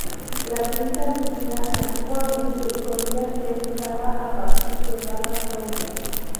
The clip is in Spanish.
La tinta líquida antiguamente solía ser usada a partir de barras sólidas.